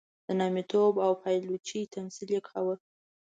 د نامیتوب او پایلوچۍ تمثیل یې کاوه.